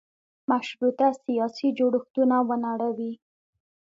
مشروطه سیاسي جوړښتونه ونړوي.